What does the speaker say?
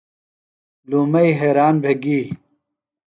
لومئی حیریان بھےۡ گی۔